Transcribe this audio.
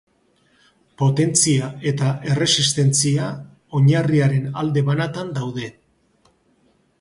Potentzia eta erresistentzia oinarriaren alde banatan daude.